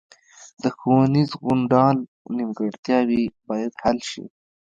د ښوونیز غونډال نیمګړتیاوې باید حل شي